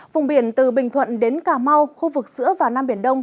vùng biển từ bình thuận đến cà mau khu vực giữa và nam biển đông